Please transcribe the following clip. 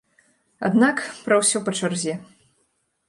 Аднак, пра ўсё па чарзе.